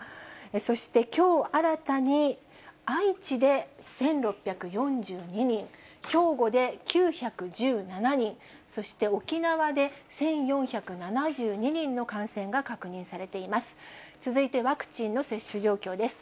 そしてきょう新たに愛知で１６４２人、兵庫で９１７人、そして沖縄で１４７２人の感染が確認されています。